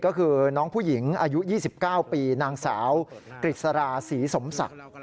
ก็คือน้องผู้หญิงอายุ๒๙ปีนางสาวกฤษราศรีสมศักดิ์